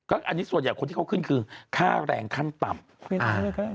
อันนี้ส่วนใหญ่คนที่เขาขึ้นคือค่าแรงขั้นต่ำ